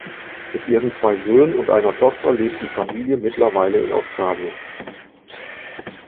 Mit ihren zwei Söhnen und einer Tochter lebt die Familie mittlerweile in Australien.